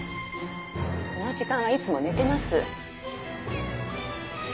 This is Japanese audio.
その時間はいつもねてます。